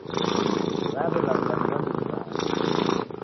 W'aw'elaw'ilwa ni w'andu kisaya